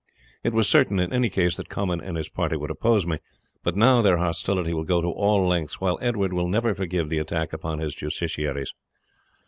It was certain in any case that Comyn and his party would oppose me, but now their hostility will go to all lengths, while Edward will never forgive the attack upon his justiciaries.